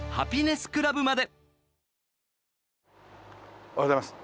おはようございます。